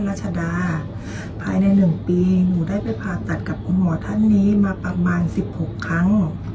รัฐชดาภายในหนึ่งปีกับคุณหมอท่านนี้มาประมาณสิบหกครั้ง